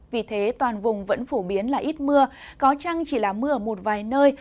vì thế toàn vùng vẫn phổ biến là ít mưa có chăng chỉ là mưa ở một vài nơi